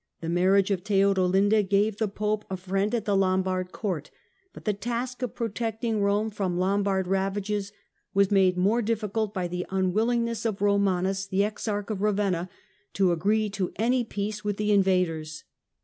The marriage of Theodelinda gave the Pope Lombards a friend at the Lombard Court, but the task of protect ing Rome from Lombard ravages was made more difficult by the unwillingness of Eomanus, the Exarch of Ravenna, to agree to any peace with the invaders.